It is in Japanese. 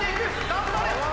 頑張れ！